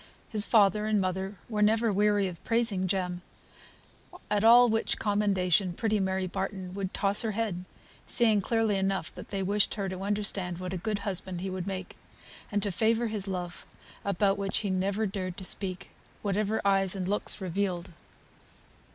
His father and mother were never weary of praising Jem, at all which commendation pretty Mary Barton would toss her head, seeing clearly enough that they wished her to understand what a good husband he would make, and to favour his love, about which he never dared to speak, whatever eyes and looks revealed.